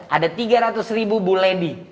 ada tiga ratus ribu bu ledi